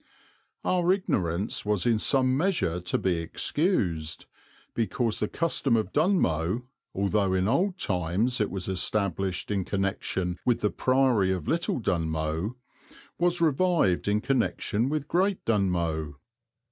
Our ignorance was in some measure to be excused, because the custom of Dunmow, although in old times it was established in connection with the Priory of Little Dunmow, was revived in connection with Great Dunmow.